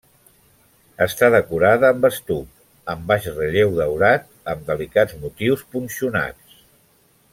Està decorada amb estuc en baix relleu daurat, amb delicats motius punxonats.